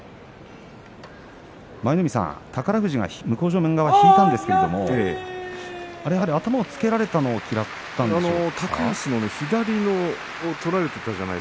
舞の海さん宝富士向正面側、引いたんですけれど頭をつけられたのを嫌ったんですか。